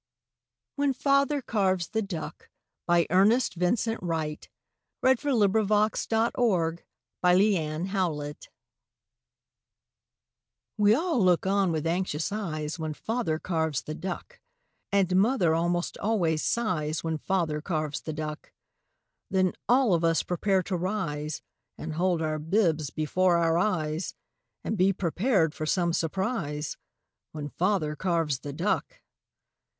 4When Father Carves the Duck1891Ernest Vincent Wright We all look on with anxious eyes When Father carves the duck And mother almost always sighs When Father carves the duck Then all of us prepare to rise And hold our bibs before our eyes And be prepared for some surprise When Father carves the duck.